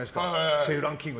声優ランキング